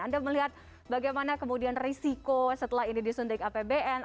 anda melihat bagaimana kemudian risiko setelah ini disuntik apbn